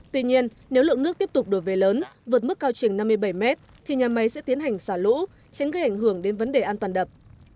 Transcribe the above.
tuy nhiên nếu lượng nước tiếp tục đổ về lớn vượt mức cao trình năm mươi bảy mét thì nhà máy sẽ tiến hành xả lũ tránh gây ảnh hưởng đến vấn đề an toàn đập